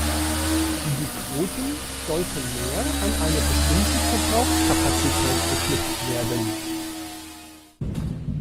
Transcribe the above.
Die Quoten sollten mehr an eine bestimmte Verbrauchskapazität geknüpft werden.